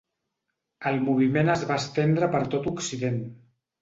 El moviment es va estendre per tot Occident.